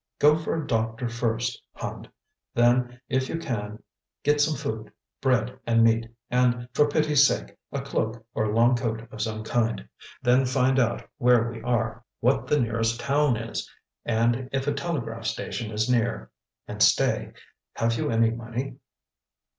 "Go for a doctor first, Hand; then, if you can, get some food bread and meat; and, for pity's sake, a cloak or long coat of some kind. Then find out where we are, what the nearest town is, and if a telegraph station is near. And stay; have you any money?"